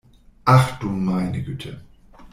Ach du meine Güte!